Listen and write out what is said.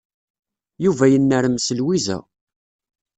Yuba yennermes Lwiza.